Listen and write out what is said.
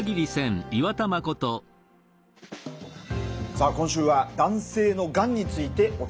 さあ今週は男性のがんについてお伝えしていきます。